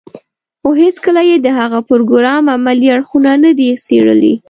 خو هېڅکله يې د هغه پروګرام عملي اړخونه نه دي څېړلي.